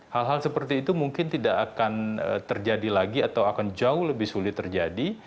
hal hal seperti itu mungkin tidak akan terjadi lagi atau akan jauh lebih sulit terjadi